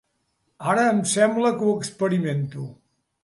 Ara em sembla que ho experimento.